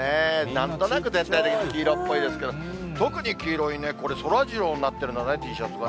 なんとなく全体的に黄色っぽいですけど、特に黄色いね、これ、そらジローになってるんだね、Ｔシャツが。